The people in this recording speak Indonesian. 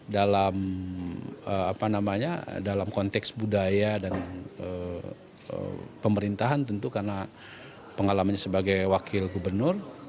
dalam konteks budaya dan pemerintahan tentu karena pengalamannya sebagai wakil gubernur